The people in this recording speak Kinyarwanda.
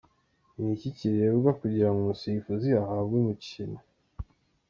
Ni iki kirebwa kugira ngo umusifuzi ahabwe umukino?.